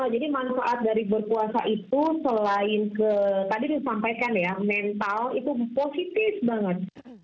jadi manfaat dari berpuasa itu selain ke tadi disampaikan ya mental itu positif banget